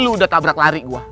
lu udah tabrak lari gue